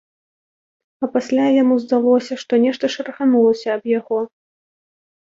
А пасля яму здалося, што нешта шарганулася аб яго.